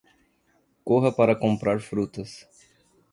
Corra para comprar frutas